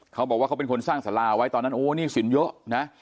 เขาบอกว่าเขาเป็นคนสร้างสาราไว้ตอนนั้นโอ้หนี้สินเยอะนะ